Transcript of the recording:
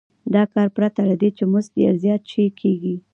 دا کار پرته له دې چې مزد زیات شي کېږي